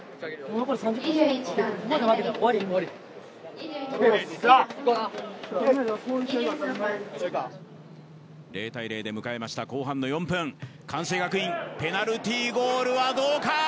・行こうな０対０で迎えました後半の４分関西学院ペナルティゴールはどうか？